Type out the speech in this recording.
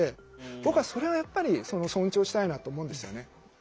僕はそれはやっぱり尊重したいなと思うんですよね。